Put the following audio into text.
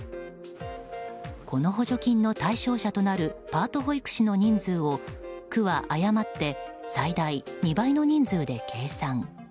この補助金の対象者となるパート保育士の人数を区は誤って最大２倍の人数で計算。